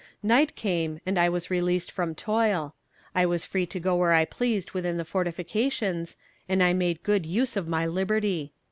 Night came, and I was released from toil. I was free to go where I pleased within the fortifications, and I made good use of my liberty.